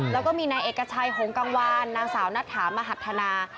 แล้วก็มีนายเอกชัยหงกังวานนางสาวนัทธามหัฒนา